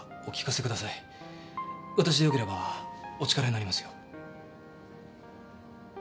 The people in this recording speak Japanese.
私でよければお力になりますよ。